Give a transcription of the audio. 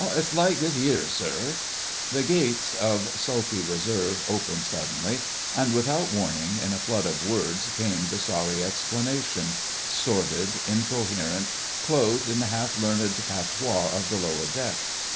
"It's like this 'ere, sir——" The gates of sulky reserve opened suddenly and without warning: in a flood of words came the sorry explanation, sordid, incoherent, clothed in half learned patois of the lower deck.